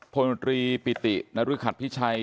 พลังวิทยาลัยมดรีปิตินรภิกัตรพิชัย